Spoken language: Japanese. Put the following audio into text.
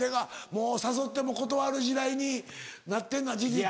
もう誘っても断る時代になってんのは事実やよね。